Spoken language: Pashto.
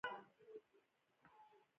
پړانګ د خپل پوستکي له امله ښکلی دی.